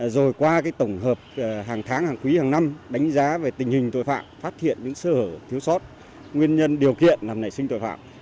rồi qua tổng hợp hàng tháng hàng quý hàng năm đánh giá về tình hình tội phạm phát hiện những sơ hở thiếu sót nguyên nhân điều kiện làm nảy sinh tội phạm